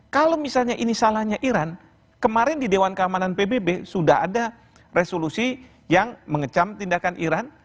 kalau misalnya ini salahnya iran kemarin di dewan keamanan pbb sudah ada resolusi yang mengecam tindakan iran